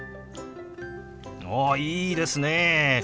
おいいですね！